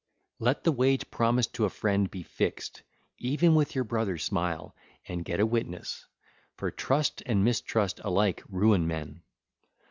(ll. 370 372) Let the wage promised to a friend be fixed; even with your brother smile—and get a witness; for trust and mistrust, alike ruin men.